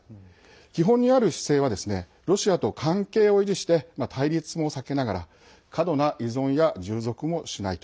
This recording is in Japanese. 基本にある姿勢はロシアと関係を維持して対立も避けながら過度な依存や従属もしないと。